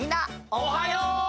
おはよう！